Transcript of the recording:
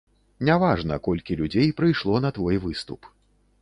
Не важна, колькі людзей прыйшло на твой выступ.